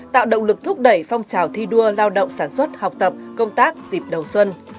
tạo động lực thúc đẩy phong trào thi đua lao động sản xuất học tập công tác dịp đầu xuân